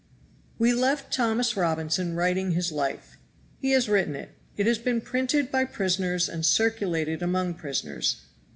WE left Thomas Robinson writing his life. He has written it. It has been printed by prisoners and circulated among prisoners.